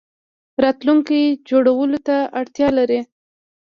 راتلونکی جوړولو ته اړتیا لري